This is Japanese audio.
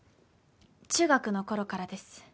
中学の頃からです。